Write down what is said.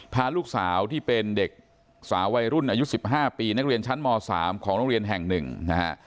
พาลูกสาวที่เป็นเด็กสาววัยรุ่นอายุ๑๕ปีนักเรียนชั้นม๓ของโรงเรียนแห่งหนึ่งนะฮะ